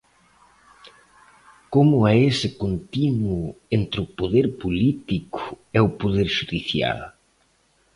Como é ese continuo entre o poder político e o poder xudicial?